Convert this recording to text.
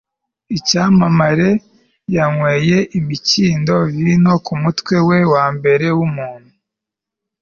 icyamamare yanyweye imikindo-vino kumutwe we wambere wumuntu